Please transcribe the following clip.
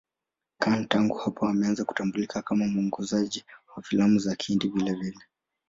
Khan tangu hapo ameanza kutambulika kama mwongozaji wa filamu za Kihindi vilevile.